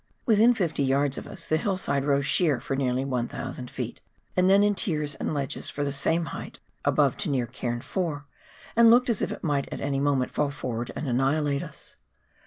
Within fifty yards of us the hillside rose sheer for nearly 1,000 ft., and then in tiers and ledges for the same height above to near Cairn lY., and looked as if it might at any moment fall forward and annihilate us.